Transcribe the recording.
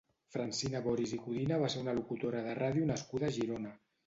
Francina Boris i Codina va ser una locutora de ràdio nascuda a Girona.